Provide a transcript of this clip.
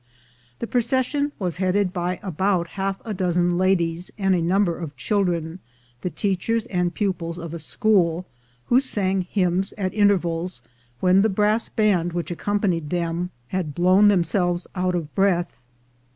The procession was headed by about half a dozen ladies and a number of children — the teachers and pupils of a school — who sang hymns at intervals, when the brass band which accompanied them had blown 333 334 THE GOLD HUNTERS themselves out of breath.